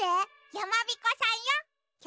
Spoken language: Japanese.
やまびこさん？